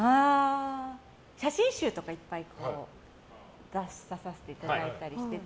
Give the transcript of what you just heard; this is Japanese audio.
写真集とか、いっぱい出させていただいたりしてて。